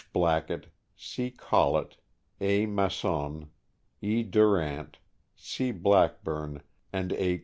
Blackett, C. Collett, A. Masson, E. Durant, C. Blackburne, and A.